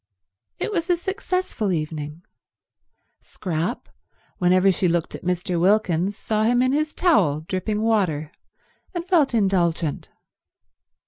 It was a successful evening. Scrap, whenever she looked at Mr. Wilkins, saw him in his towel, dripping water, and felt indulgent.